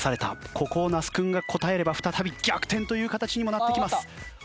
ここを那須君が答えれば再び逆転という形にもなってきます。